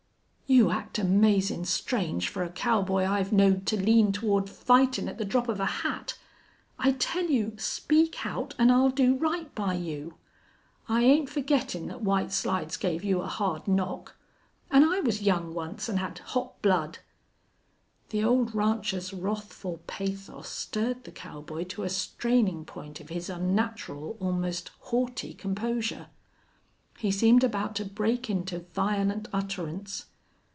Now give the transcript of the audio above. "You act amazin' strange fer a cowboy I've knowed to lean toward fightin' at the drop of a hat. I tell you, speak out an' I'll do right by you.... I ain't forgettin' thet White Slides gave you a hard knock. An' I was young once an' had hot blood." The old rancher's wrathful pathos stirred the cowboy to a straining point of his unnatural, almost haughty composure. He seemed about to break into violent utterance.